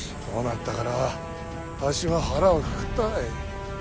こうなったからはわしも腹をくくったわい。